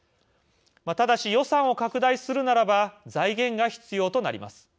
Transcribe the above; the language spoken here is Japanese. ただし、予算を拡大するならば財源が必要となります。